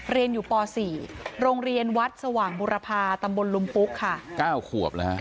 เรียนอยู่ป๔โรงเรียนวัดสว่างบุรพาตำบลลุมปุ๊กค่ะ